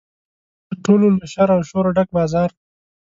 تر ټولو له شر او شوره ډک بازار.